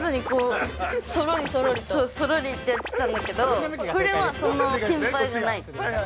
そろりってやってたんだけど、これはその心配がない。